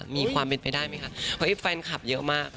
มีความเป็นไปได้ไหมคะว่าแฟนคลับเยอะมาก